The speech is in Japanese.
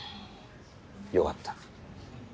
良かった。